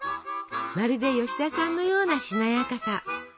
まるで吉田さんのようなしなやかさ。